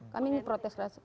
kami ingin protes keras